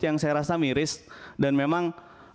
yang saya rasa miris dan memang